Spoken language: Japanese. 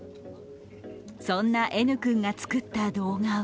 そんなＮ君が作った動画は